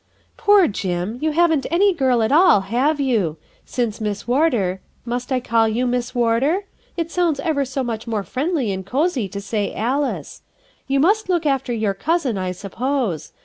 "Poor Jim! you haven't any girl at all, have you? Since Miss Warder — must I call you 'Miss Warder'? it sounds ever so much more friendly and cosey to say 'Alice.' You must look after your cousin, I suppose.